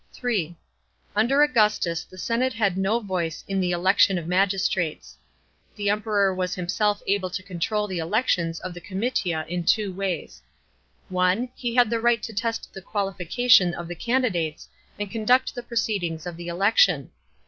(3) Under Augustus the senate had no voice in the election of magistrates. The Emperor was himself able to control the elec tions in the comitia in two ways. (1) He had the right to test the qualification of the candidates and conduct the proceedings of the election.